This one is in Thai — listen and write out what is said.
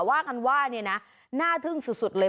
ว่ากันว่าเนี่ยนะน่าทึ่งสุดเลย